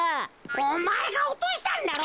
おまえがおとしたんだろ。